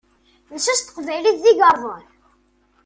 Lsas n teqbaylit d igerdan.